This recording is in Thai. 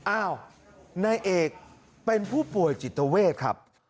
อ้าวนายเอกเป็นผู้ป่วยจิตเวทครับ